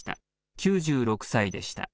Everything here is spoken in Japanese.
９６歳でした。